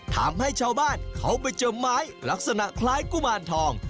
ทำให้ชาวบ้านเขาไปเจอไม้ลักษณะคล้ายกุมารทอง